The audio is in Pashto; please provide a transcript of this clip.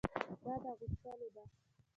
دا د اغوستلو ده.